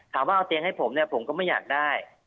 ว่าเอาเตียงให้ผมเนี่ยผมก็ไม่อยากได้